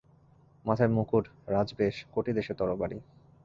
মাথায় মুকুট, রাজবেশ, কটিদেশে তরবারি।